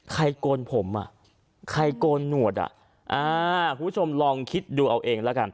โกนผมอ่ะใครโกนหนวดอ่ะอ่าคุณผู้ชมลองคิดดูเอาเองแล้วกัน